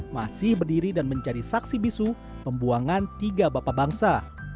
masih berdiri dan menjadi saksi bisu pembuangan tiga bapak bangsa